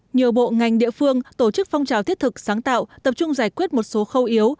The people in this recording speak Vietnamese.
nhiều bộ ngành địa phương tổ chức phong trào thiết thực sáng tạo tập trung giải quyết một số khâu yếu